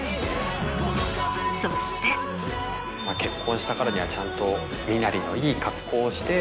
結婚したからにはちゃんと身なりのいい格好をして。